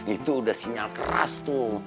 itu udah sinyal keras tuh